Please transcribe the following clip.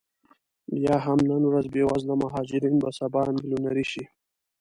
یا هم نن ورځ بې وزله مهاجرین به سبا میلیونرې شي